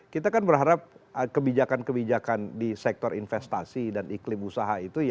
kita kan berharap kebijakan kebijakan di sektor investasi dan iklim usaha itu ya